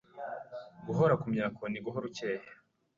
guhora kumyako ni guhora ucyeye